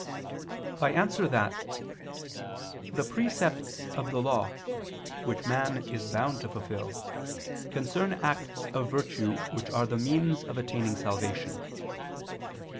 I answer that, The precepts of the Law, which man is bound to fulfil, concern acts of virtue which are the means of attaining salvation.